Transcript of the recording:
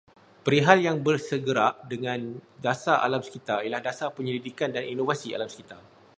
Perihal yang bersegerak dengan dasar alam sekitar ialah dasar penyelidikan dan inovasi alam sekitar